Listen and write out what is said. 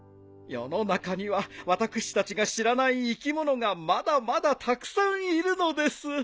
世の中には私たちが知らない生き物がまだまだたくさんいるのです。